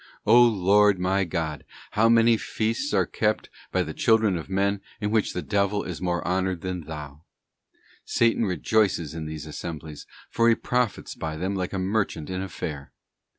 .ee O Lord, my God, how many feasts are kept by the children of men in which the devil is more honoured than Thou? Satan rejoices in these assemblies, for he profits by them like a merchant in aFair.